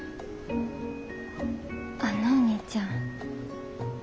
あんなお兄ちゃん。